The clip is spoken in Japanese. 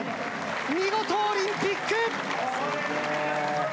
見事、オリンピック！